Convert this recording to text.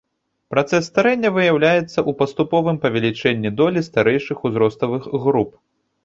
Працэс старэння выяўляецца ў паступовым павелічэнні долі старэйшых узроставых груп.